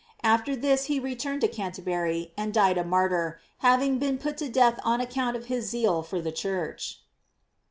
After this he re turned to Canterbury, and died a martyr, hav ing been put to death on account of his zeal for the Church.